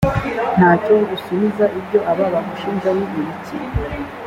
nta cyo usubiza ibyo aba bagushinja ni ibiki